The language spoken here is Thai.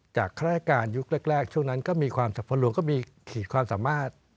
จากคล้ายการยุคแรกช่วงนั้นก็มีความฝนหลวงก็มีคลีกความสามารถ